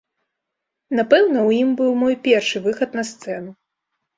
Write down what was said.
Напэўна, у ім быў мой першы выхад на сцэну.